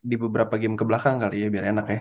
di beberapa game kebelakang kali ya biar enak ya